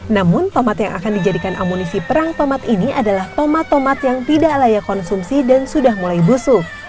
namun tomat yang akan dijadikan amunisi perang tomat ini adalah tomat tomat yang tidak layak konsumsi dan sudah mulai busuk